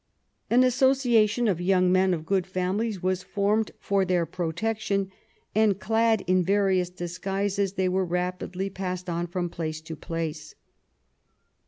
An association of young men of good families was formed for their protection, and clad in various disguises they were rapidly passed on from place to place.